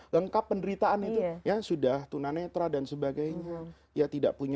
lengkap penderitaan itu sudah tunanetra dan sebagainya